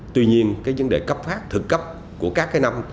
tuy nhiên vấn đề cấp phát thực cấp của các tỉnh